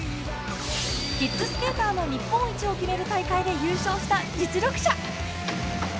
キッズスケーターの日本一を決める大会で優勝した実力者。